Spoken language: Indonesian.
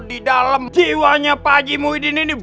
di dalam jiwanya pak haji muhyiddin ini